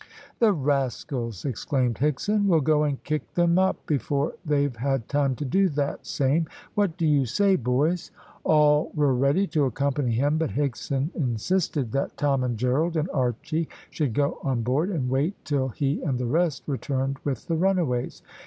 "The rascals!" exclaimed Higson. "We'll go and kick them up before they've had time to do that same. What do you say, boys?" All were ready to accompany him, but Higson insisted that Tom and Gerald and Archy should go on board and wait till he and the rest returned with the runaways.